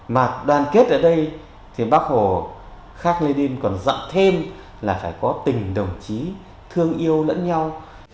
mà đoàn kết ở đây thì bác hồ khắc lê đinh còn dặn thêm là phải có tình đồng chí thương yêu lẫn nhau